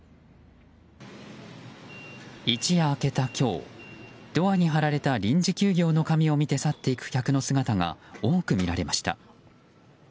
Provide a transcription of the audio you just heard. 一夜明けた今日、ドアに貼られた臨時休業の紙を見て去っていく客の姿が多く見られました。